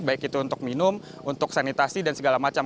baik itu untuk minum untuk sanitasi dan segala macam